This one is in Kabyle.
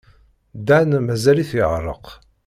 Dan mazal-it yeɛreq.